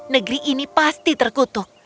negeri ini pasti terkutuk